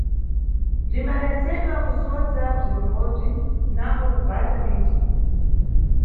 Bzimbaletsedwa kusodza bzirombobzi napo kugwata miti.